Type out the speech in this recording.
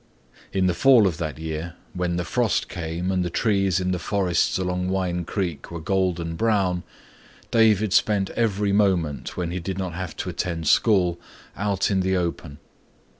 In the fall of that year when the frost came and the trees in the forests along Wine Creek were golden brown, David spent every moment when he did not have to attend school, out in the open.